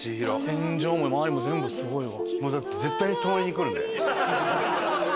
天井も周りも全部すごいわ。